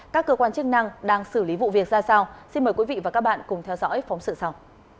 các cơ quan chức năng đang xử lý vụ việc ra sao xin mời quý vị và các bạn cùng theo dõi phóng sự sau